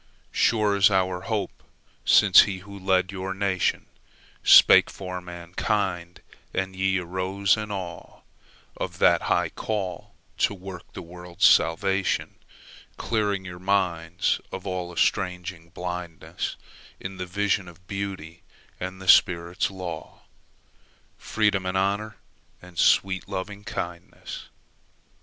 Sure is our hope since he who led your nationSpake for mankind, and ye arose in aweOf that high call to work the world's salvation; Clearing your minds of all estranging blindnessIn the vision of Beauty and the Spirit's law, Freedom and Honour and sweet Lovingkindness.